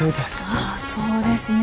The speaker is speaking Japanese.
ああそうですね